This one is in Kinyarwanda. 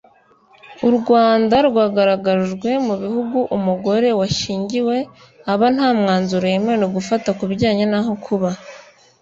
u Rwanda rwagaragajwe mu bihugu umugore washyingiwe aba nta mwanzuro yemerewe gufata ku bijyanye n’aho kuba